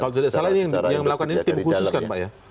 kalau tidak salah ini yang melakukan ini tim khusus kan pak ya